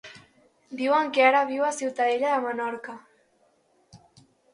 Diuen que ara viu a Ciutadella de Menorca.